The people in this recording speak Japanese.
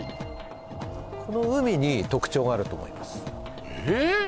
この海に特徴があると思いますええ？